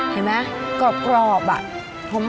เห็นมั้ยกรอบอ่ะ